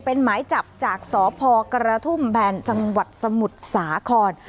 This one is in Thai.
เป็นหมายจับจากสพกระทุ่มแบนจังหวัดสมุทรสาคร